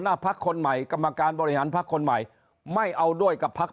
หน้าพักคนใหม่กรรมการบริหารพักคนใหม่ไม่เอาด้วยกับพัก